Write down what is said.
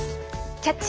「キャッチ！